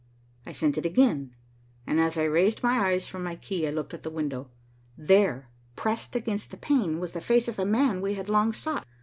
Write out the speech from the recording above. I sent it again, and as I raised my eyes from my key I looked at the window. There, pressed against the pane, was the face of a man we had long sought.